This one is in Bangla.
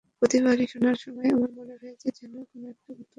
প্রতিবারই শোনার সময় আমার মনে হয়েছে যেন কোনো একটা গুপ্তধনের মালিক আমি।